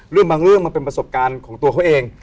บางเรื่องมันเป็นประสบการณ์ของตัวเขาเอง